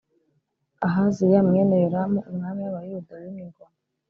Ahaziya mwene Yoramu umwami wAbayuda yimye ingoma